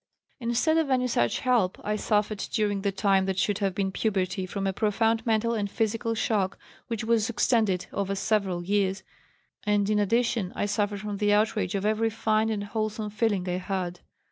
"Instead of any such help, I suffered during the time that should have been puberty from a profound mental and physical shock which was extended over several years, and in addition I suffered from the outrage of every fine and wholesome feeling I had.